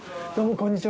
こんにちは。